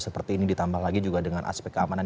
seperti ini ditambah lagi juga dengan aspek keamanan